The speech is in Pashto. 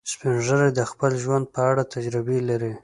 سپین ږیری د خپل ژوند په اړه تجربې لري